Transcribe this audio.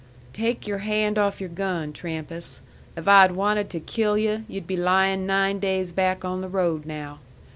"Take your hand off your gun, Trampas. If I had wanted to kill yu' you'd be lying nine days back on the road now.